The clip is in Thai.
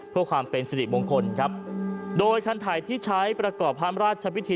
เพื่อความเป็นสิริมงคลครับโดยคันถ่ายที่ใช้ประกอบพระราชพิธี